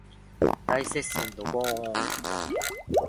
大接戦ドゴーーン